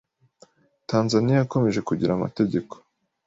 Tanzania yakomeje kugira amategeko